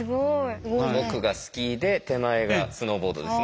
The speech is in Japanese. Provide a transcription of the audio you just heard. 奥がスキーで手前がスノーボードですね。